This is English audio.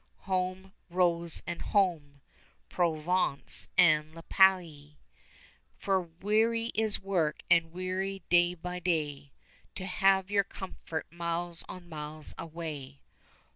(Home, Rose, and home, Provence and La Palie.) For weary is work, and weary day by day To have your comfort miles on miles away.